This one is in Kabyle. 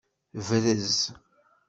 Brez.